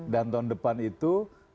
dan tahun depan itu